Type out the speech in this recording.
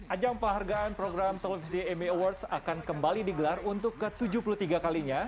ajang penghargaan program tol jmmy awards akan kembali digelar untuk ke tujuh puluh tiga kalinya